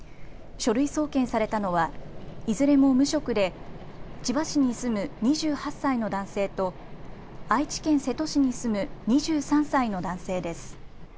書類送検されたのはいずれも無職で千葉市に住む２８歳の男性と愛知県瀬戸市に住む２３歳の男性です。